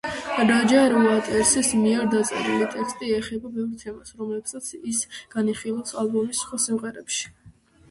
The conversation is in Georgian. როჯერ უოტერსის მიერ დაწერილი ტექსტი ეხება ბევრ თემას, რომლებსაც ის განიხილავს ალბომის სხვა სიმღერებში.